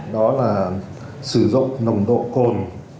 đó là sử dụng nồng độ côn